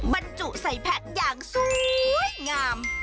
บรรจุใส่แพ็คอย่างสวยงาม